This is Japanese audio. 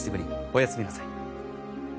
おやすみなさい。